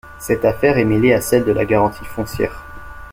Cette affaire est mêlée à celle de La Garantie foncière.